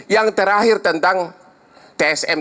yang terakhir tentang tsm